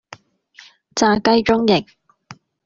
炸雞中翼